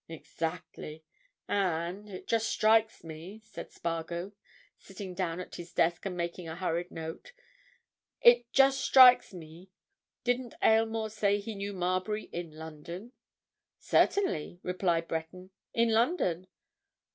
"Exactly. And—it just strikes me," said Spargo, sitting down at his desk and making a hurried note, "it just strikes me—didn't Aylmore say he knew Marbury in London?" "Certainly," replied Breton. "In London."